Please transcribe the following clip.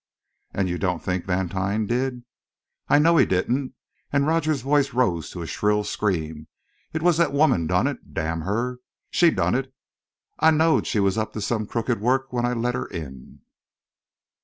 "And you don't think Vantine did?" "I know he didn't," and Rogers's voice rose to a shrill scream. "It was that woman done it! Damn her! She done it! I knowed she was up to some crooked work when I let her in!"